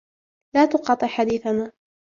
لا تقاطع حديثنا.